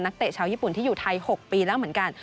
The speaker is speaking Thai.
เตะชาวญี่ปุ่นที่อยู่ไทย๖ปีแล้วเหมือนกัน